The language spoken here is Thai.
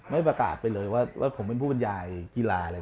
ไม่ประกาศไปเลยว่าผมเป็นผู้บรรยายกีฬาอะไร